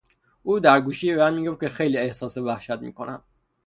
او درگوشی به من گفت که خیلی احساس وحشت میکند.